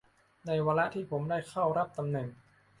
ในวาระที่ผมได้เข้ารับตำแหน่ง